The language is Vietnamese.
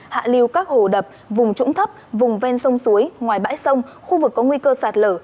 hạ lưu các hồ đập vùng trũng thấp vùng ven sông suối ngoài bãi sông khu vực có nguy cơ sạt lở